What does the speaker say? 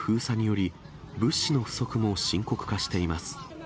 長引く封鎖により、物資の不足も深刻化しています。